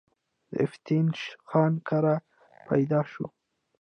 د افتينوش خان کره پيدا شو